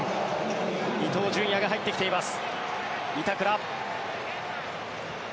伊東純也が入ってきています。